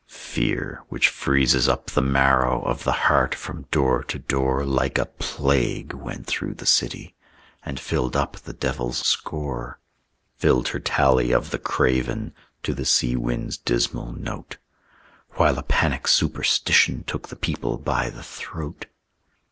Fear, which freezes up the marrow Of the heart, from door to door Like a plague went through the city, And filled up the devil's score; Filled her tally of the craven, To the sea wind's dismal note; While a panic superstition Took the people by the throat.